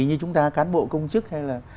như chúng ta cán bộ công chức hay là